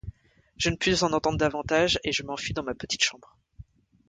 Je ne pus en entendre davantage, et je m’enfuis dans ma petite chambre.